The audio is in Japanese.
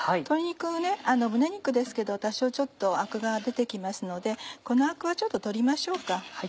鶏肉はね胸肉ですけど多少ちょっとアクが出て来ますのでこのアクはちょっと取りましょうか。